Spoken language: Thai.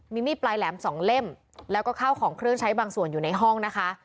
มีมีดปลายแหลมสองเล่มแล้วก็ข้าวของเครื่องใช้บางส่วนอยู่ในห้องนะคะ